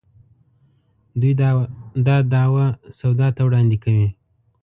دوی دا دعوه سودا ته وړاندې کوي.